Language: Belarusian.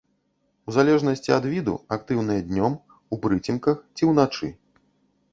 У залежнасці ад віду актыўныя днём, у прыцемках ці ўначы.